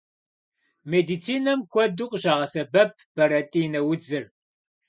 Медицинэм куэду къыщагъэсэбэп бэрэтӏинэ удзыр.